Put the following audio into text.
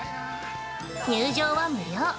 入場は無料。